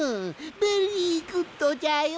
ベリーグッドじゃよ！